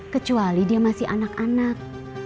kecuali dia masih anak anak